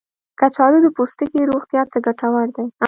کچالو د پوستکي روغتیا ته ګټور دی.